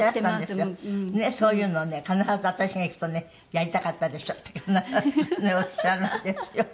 そういうのをね必ず私が行くとね「やりたかったでしょ」とかおっしゃるんですよ。